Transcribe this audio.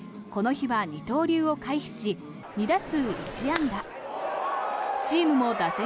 この日は二刀流を回避し２打数１安打。